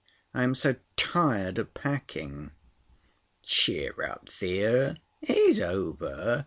I am so tired of packing." "Cheer up, Thea. It is over.